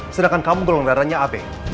sedangkan kamu golongan darahnya ab